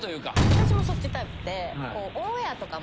私もそっちタイプで。